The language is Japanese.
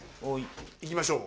行きましょう。